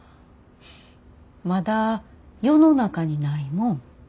まだ世の中にないもん。